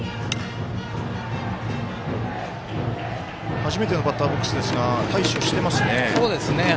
初めてのバッターボックスですが対処してますね。